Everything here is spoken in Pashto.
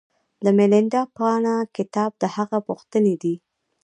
د میلیندا پانه کتاب د هغه پوښتنې دي